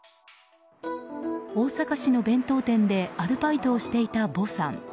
大阪市の弁当店でアルバイトをしていたヴォさん。